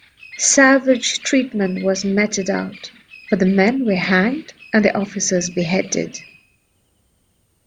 Savage treatment was meted out, for the men were hanged and their officers beheaded.